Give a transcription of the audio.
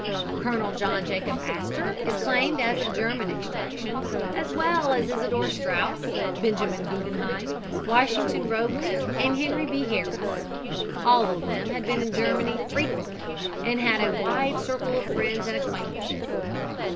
Colonel John Jacob Astor is claimed as of German, extraction, as well as Isidor Straus, Benjamin Guggenheim, Washington Roebling and Henry B. Harris. All of them had been in Germany frequently and had a wide circle of friends and acquaintances.